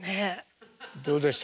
どうでした？